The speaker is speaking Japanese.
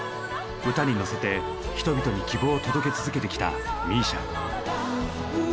歌に乗せて人々に希望を届け続けてきたＭＩＳＩＡ。